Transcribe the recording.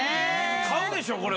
買うでしょこれ！